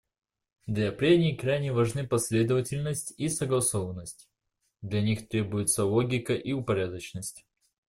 Для прений крайне важны последовательность и согласованность; для них требуются логика и упорядоченность.